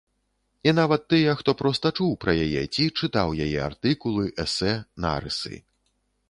І нават тыя, хто проста чуў пра яе ці чытаў яе артыкулы, эсэ, нарысы.